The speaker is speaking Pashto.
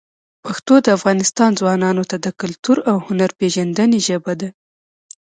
پښتو د افغانستان ځوانانو ته د کلتور او هنر پېژندنې ژبه ده.